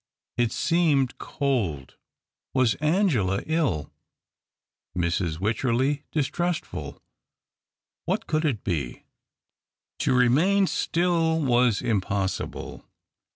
It seemed cold. Was Angela ill ?— Mrs. Wycherley distrustful ? What could it be ? To remain still was impossible.